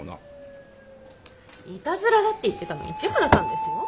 イタズラだって言ってたの市原さんですよ。